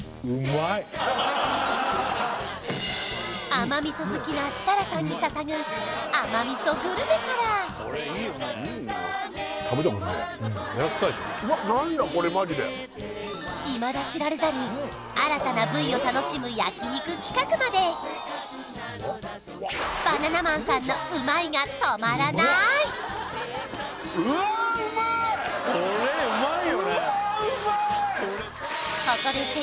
甘味噌好きな設楽さんにささぐ甘味噌グルメからマジでいまだ知られざる新たな部位を楽しむ焼肉企画までバナナマンさんのこれうまいよね